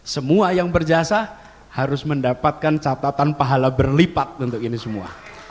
semua yang berjasa harus mendapatkan catatan pahala berlipat untuk ini semua